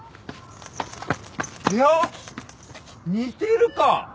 いや似てるか。